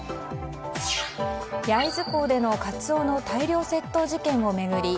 焼津港でのカツオの大量窃盗事件を巡り